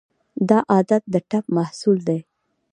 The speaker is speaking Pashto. دا عادت د ټپ محصول دی.